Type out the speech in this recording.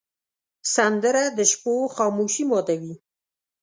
سندره د شپو خاموشي ماتوې